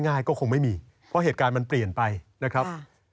ง่ายก็คงไม่มีเพราะเหตุการณ์มันเปลี่ยนไปนะครับ